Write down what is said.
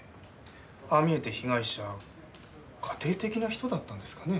ああ見えて被害者家庭的な人だったんですかね？